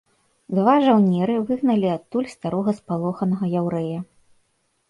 Два жаўнеры выгналі адтуль старога спалоханага яўрэя.